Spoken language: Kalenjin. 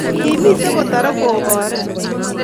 Kimito kotare kobare